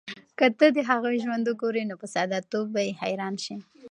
که ته د هغوی ژوند وګورې، نو په ساده توب به یې حیران شې.